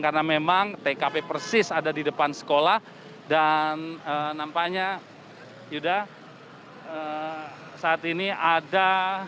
karena memang tkp persis ada di depan sekolah dan nampaknya yuda saat ini ada